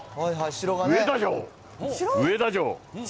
上田城、上田城！